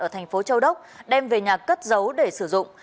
ở thành phố châu đốc đem về nhà cất giấu để sử dụng